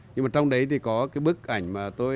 nhưng mà trong đấy thì có cái bức ảnh mà tôi